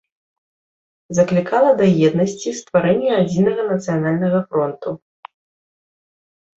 Заклікала да еднасці, стварэння адзінага нацыянальнага фронту.